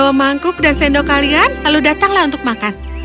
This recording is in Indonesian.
bawa mangkuk dan sendok kalian lalu datanglah untuk makan